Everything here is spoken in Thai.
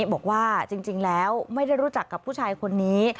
บอกว่าจริงแล้วไม่ได้รู้จักกับผู้ชายคนนี้